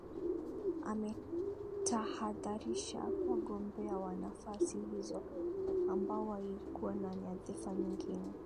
ametahadharisha wagombea wa nafasi hizo ambao walikuwa na nyadhifa nyingine